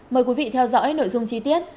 mời quý vị theo dõi nội dung chi tiết